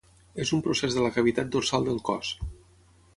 És un procés de la cavitat dorsal del cos.